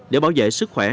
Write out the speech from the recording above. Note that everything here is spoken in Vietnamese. để bảo vệ sức khỏe